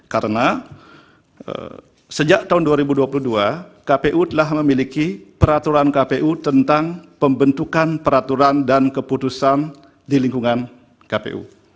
karena sejak tahun dua ribu dua puluh dua kpu telah memiliki peraturan kpu tentang pembentukan peraturan dan keputusan di lingkungan kpu